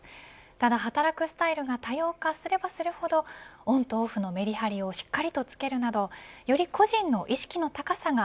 ただ、働くスタイルが多様化すればするほどオンとオフのメリハリをしっかりとつけるなどより個人の意識の高さが